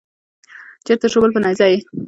چیرته ژوبل په نېزه یې